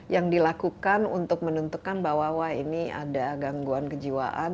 yang dilakukan untuk menentukan bahwa wah ini ada gangguan kejiwaan